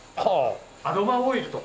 アロマオイルとか。